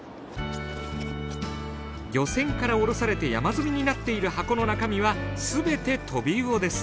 漁船から降ろされて山積みになっている箱の中身は全てトビウオです。